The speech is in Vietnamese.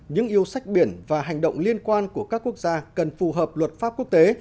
những yêu sách biển và hành động liên quan của các quốc gia cần phù hợp luật pháp quốc tế